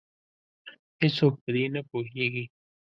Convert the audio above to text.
هیڅوک په دې نه پوهیږې